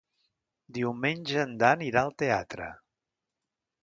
Diumenge en Dan irà al teatre.